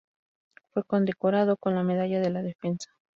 Fue condecorado con la Medalla de la Defensa.